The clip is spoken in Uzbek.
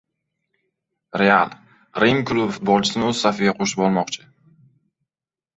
“Real” Rim klubi futbolchisini o‘z safiga qo‘shib olmoqchi